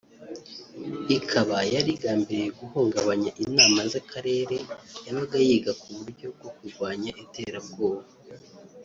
ikaba yari igambiriye guhungabanya inama y’akarere yabaga yiga ku buryo bwo kurwanya iterabwoba